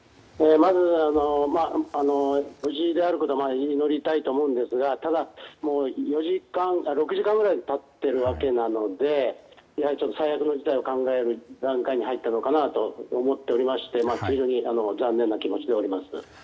まず、無事であることを祈りたいと思うんですがただ、６時間くらい経っているわけなのでやはり最悪の事態を考える段階に入ったのかなと思っておりまして非常に残念な気持ちでおります。